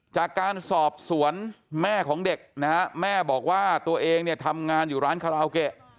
จากการสอบสวนแม่ของเด็กนะฮะแม่บอกว่าตัวเองเนี่ยทำงานอยู่ร้านคาราโอเกะ